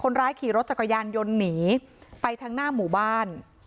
ร้ายขี่รถจักรยานยนต์หนีไปทางหน้าหมู่บ้าน